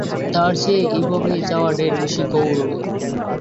তার চেয়ে এভাবে যাওয়া ঢের বেশি গৌরবের।